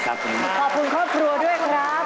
ขอบคุณครอบครัวด้วยครับ